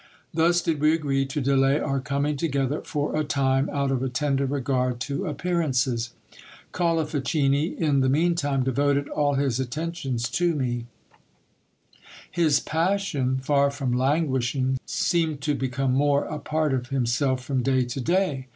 Thus did we agree to delay our coming together for a time, out of a tender regard to appearances. Colifichini, in the mean time, devoted all his attentions to me : his passion, far from languishing, seemed to become more a part of him self from day to day.